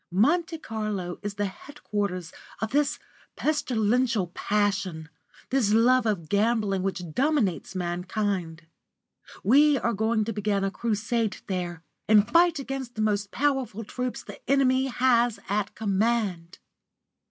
Monte Carlo is the headquarters of this pestilential passion, this love of gambling which dominates mankind. We are going to begin a crusade there, and fight against the most powerful troops the enemy has at command."